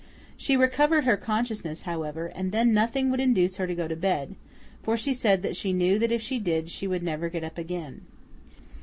She recovered her consciousness, however, and then nothing would induce her to go to bed; for she said that she knew that if she did, she should never get up again.